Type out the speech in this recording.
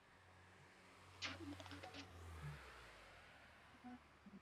ika kampani zangu kutiliamukazo swala la kutilia amani na utulivu